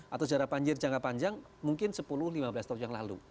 atau jarak banjir jangka panjang mungkin sepuluh lima belas tahun yang lalu